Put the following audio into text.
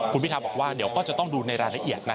คุณพิทาบอกว่าเดี๋ยวก็จะต้องดูในรายละเอียดนะ